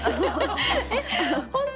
えっ本当？